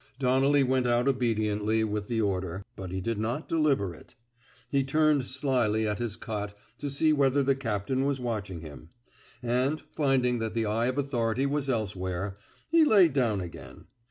Donnelly went out obediently with the order; but he did not deliver it. He turned slyly at his cot to see whether the captain was watching him; and, finding that the eye of authority was elsewhere, he lay down again.